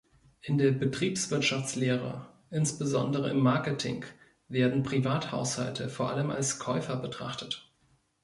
In der Betriebswirtschaftslehre, insbesondere im Marketing, werden Privathaushalte vor allem als Käufer betrachtet.